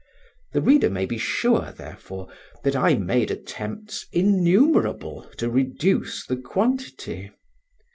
The reader may be sure, therefore, that I made attempts innumerable to reduce the quantity.